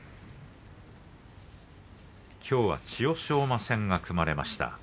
きょうは千代翔馬戦が組まれました。